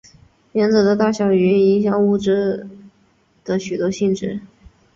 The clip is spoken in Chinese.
原子的大小与影响物质的许多性质。